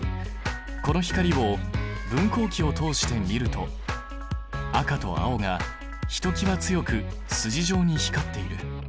この光を分光器を通して見ると赤と青がひときわ強く筋状に光っている。